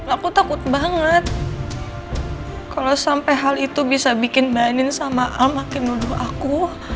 aku takut banget kalau sampai hal itu bisa bikin bain sama a makin nuduh aku